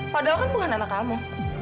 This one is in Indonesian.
padahal kan bukan anak kamu